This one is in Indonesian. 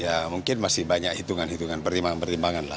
ya mungkin masih banyak hitungan hitungan pertimbangan pertimbangan lah